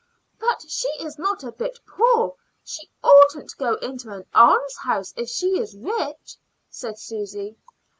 "But she is not a bit poor. She oughtn't to go into an almshouse if she is rich," said Susy.